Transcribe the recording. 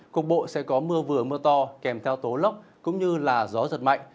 cục bộ sẽ có mưa vừa mưa to kèm theo tố lốc cũng như gió giật mạnh